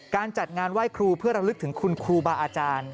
การจัดงานไหว้ครูเพื่อระลึกถึงคุณครูบาอาจารย์